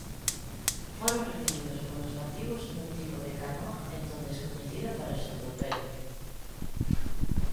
Foron recibidos polos nativos nun tipo de canoa entón descoñecida para os europeos.